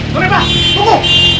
non reva tunggu